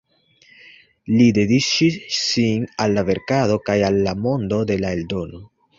Li dediĉis sin al la verkado kaj al la mondo de la eldono.